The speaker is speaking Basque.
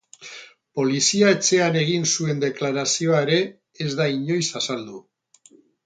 Polizia etxean egin zuen deklarazioa ere ez da inoiz azaldu.